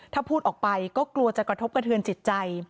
ถ้าพูดออกไปก็กลัวจะกระทบกระเทือนจิตใจ